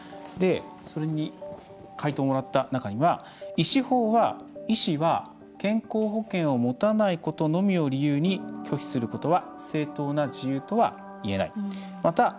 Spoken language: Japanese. それに回答をもらった中には医師法は医師は健康保険を持たないことのみを理由に拒否することは「正当な事由」とは言えない。